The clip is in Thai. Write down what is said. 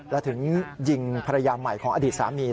แล้วถึงยิงภรรยาใหม่ของอดีตสามี